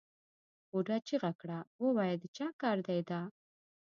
بوډا چیغه کړه ووایه د چا کار دی دا؟